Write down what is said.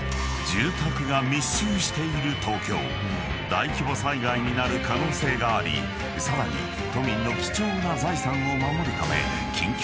［大規模災害になる可能性がありさらに都民の貴重な財産を守るため］